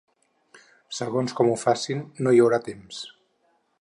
Segons com ho facin, no hi haurà temps.